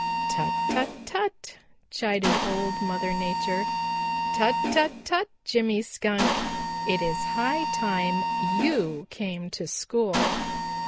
"Tut, tut, tut!" chided Old Mother Nature. "Tut, tut, tut, Jimmy Skunk! It is high time you came to school.